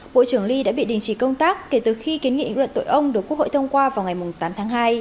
bộ trưởng lee đã bị đình chỉ công tác kể từ khi kiến nghị luận tội ông được quốc hội thông qua vào ngày tám tháng hai